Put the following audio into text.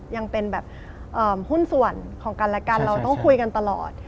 ยังเป็นแบบหุ้นส่วนของกันและกันเราต้องคุยกันตลอด